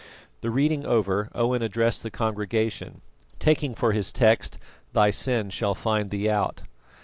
The reading over, Owen addressed the congregation, taking for his text, "Thy sin shall find thee out."